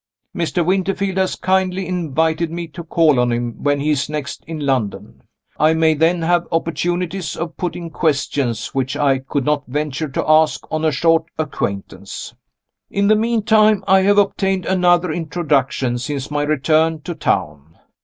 Mr. Winterfield has kindly invited me to call on him when he is next in London. I may then have opportunities of putting questions which I could not venture to ask on a short acquaintance. In the meantime, I have obtained another introduction since my return to town.